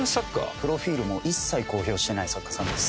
プロフィルも一切公表してない作家さんです。